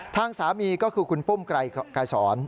ทางสามีก็คือคุณปุ้มไกรสอน